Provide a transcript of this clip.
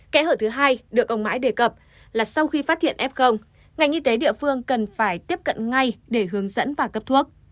kẽ hở thứ hai được ông mãi đề cập là sau khi phát hiện f ngành y tế địa phương cần phải tiếp cận ngay để hướng dẫn và cấp thuốc